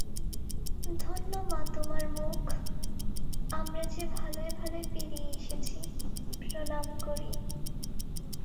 ধন্য মা তোমার মুখ! আমরা যে ভালয় ভালয় পেরিয়ে এসেছি, প্রণাম করি।